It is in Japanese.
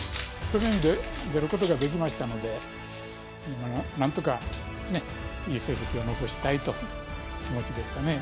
その意味で出ることができましたのでなんとかねいい成績を残したいという気持ちでしたね。